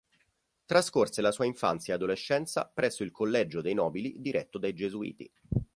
Trascorse la sua infanzia e adolescenza presso il collegio dei nobili diretto dai gesuiti.